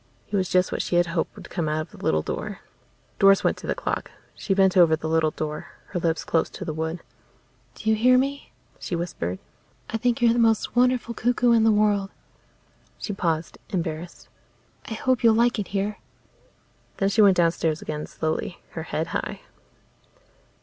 He was just what she had hoped would come out of the little door. Doris went to the clock. She bent over the little door, her lips close to the wood. "Do you hear me?" she whispered. "I think you're the most wonderful cuckoo in the world." She paused, embarrassed. "I hope you'll like it here." Then she went downstairs again, slowly, her head high.